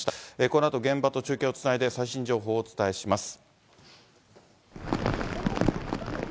このあと、現場と中継をつないで最新情報をお伝えします。